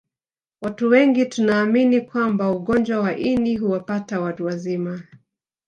Watu wengi tunaamini kwamba ugonjwa wa ini huwapata watu wazima